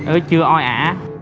ớ chưa ôi ả